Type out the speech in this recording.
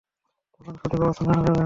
তখন সঠিক অবস্থান জানা যাবে।